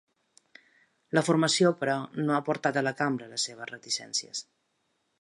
La formació, però, no ha portat a la cambra les seves reticències.